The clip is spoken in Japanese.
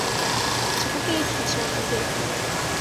チョコケーキかショートケーキ